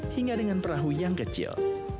hingga dengan perahu yang kecil